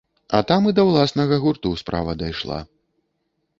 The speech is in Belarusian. А там і да ўласнага гурту справа дайшла.